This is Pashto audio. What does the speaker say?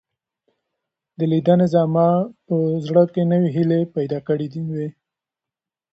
دې لیدنې زما په زړه کې نوې هیلې پیدا کړې.